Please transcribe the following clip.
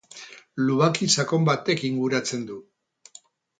Lubaki sakon batek inguratzen du.